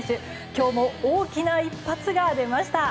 今日も大きな一発が出ました。